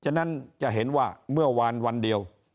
ฉะนั้นจะเห็นว่าเมื่อวานวันเดียว